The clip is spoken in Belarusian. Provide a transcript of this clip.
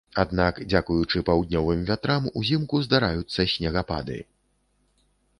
Аднак дзякуючы паўднёвым вятрам узімку здараюцца снегапады.